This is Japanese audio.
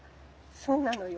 そうなのよ。